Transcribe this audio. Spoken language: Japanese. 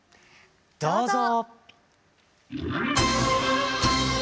どうぞ！